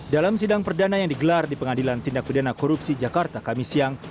dalam sidang perdana yang digelar di pengadilan tindak pidana korupsi jakarta kami siang